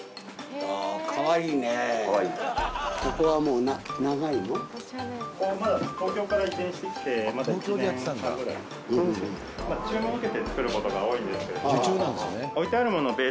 ここはもう長いの？